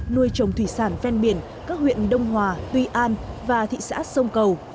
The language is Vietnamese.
nuôi trồng thủy sản ven biển các huyện đông hòa tuy an và thị xã sông cầu